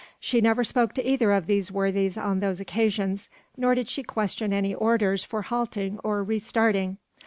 She never spoke to either of these worthies on those occasions, nor did she question any orders for halting or re starting.